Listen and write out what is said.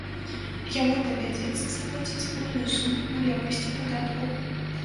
Яму давядзецца заплаціць буйную суму ў якасці падатку.